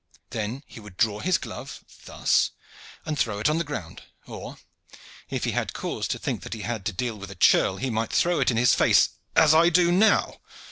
Then he would draw his glove, thus, and throw it on the ground; or, if he had cause to think that he had to deal with a churl, he might throw it in his face as I do now!"